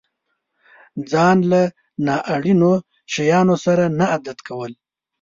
ځان له نا اړينو شيانو سره نه عادت کول.